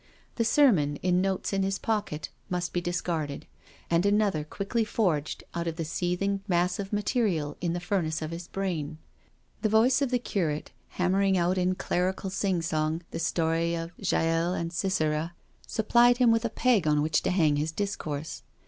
The sermon, in notes in his pocket, must be discarded, and another quickly forged out of the seething mass of material in the furnace of his brain. The voice of the curate hammering out in IN WDDLEHAM CHURCH 187 clerical sing song the story of Jael and Sisera supplied him with a peg on which to hang his discourse.